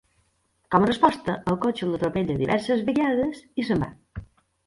Com a resposta, el cotxe l'atropella diverses vegades i se'n va.